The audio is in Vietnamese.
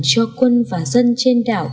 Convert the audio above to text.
cho quân và dân trên đảo